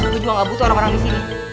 gue juga gak butuh orang orang disini